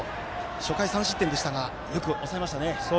初回３失点でしたがよく抑えましたね。